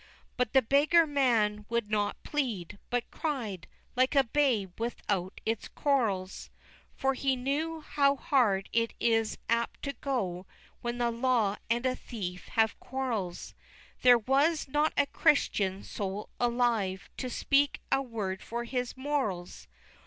XXVI. But the beggar man would not plead, but cried Like a babe without its corals, For he knew how hard it is apt to go When the law and a thief have quarrels, There was not a Christian soul alive To speak a word for his morals.